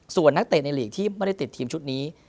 ส่วนนักเตะในลีกที่ไม่ได้ติดทีมชุดนี้